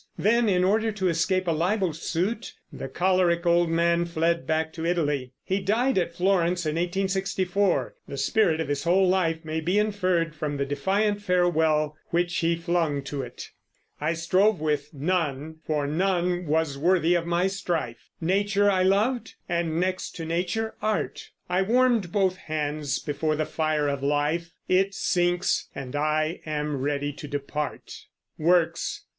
Then, in order to escape a libel suit, the choleric old man fled back to Italy. He died at Florence, in 1864. The spirit of his whole life may be inferred from the defiant farewell which he flung to it: I strove with none, for none was worth my strife; Nature I loved, and next to Nature Art; I warmed both hands before the fire of life; It sinks, and I am ready to depart. WORKS.